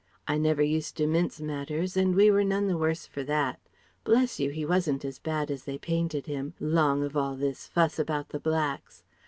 I never used to mince matters and we were none the worse for that. Bless you, he wasn't as bad as they painted him, 'long of all this fuss about the blacks.